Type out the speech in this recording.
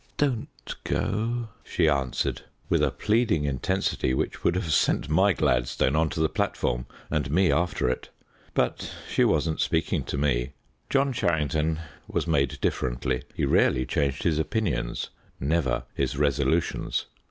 "Don't go," she answered, with a pleading intensity which would have sent my Gladstone on to the platform and me after it. But she wasn't speaking to me. John Charrington was made differently; he rarely changed his opinions, never his resolutions.